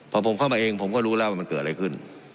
พอผมเข้ามาเองผมก็รู้แล้วว่ามันเกิดอะไรขึ้น